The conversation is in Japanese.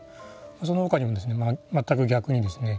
その他にもですねまったく逆にですね